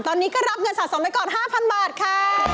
ตอนนี้ก็รับเงินสะสมไปก่อน๕๐๐บาทค่ะ